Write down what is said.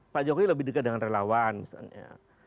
pak jokowi lebih dekat dengan relawan misalnya